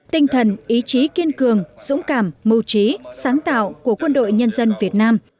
tinh thần ý chí kiên cường dũng cảm mưu trí sáng tạo của quân đội nhân dân việt nam